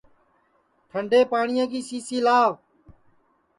ٹھنڈے پاٹؔیا کی سی سی لاو